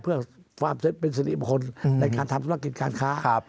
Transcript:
เพื่อเป็นศิลป์อิมคลในการทำธรรมกิจการค้า